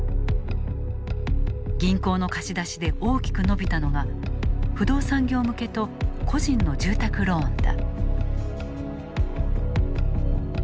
銀行の貸し出しで大きく伸びたのが不動産業向けと個人の住宅ローンだ。